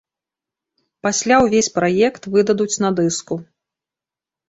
Пасля ўвесь праект выдадуць на дыску.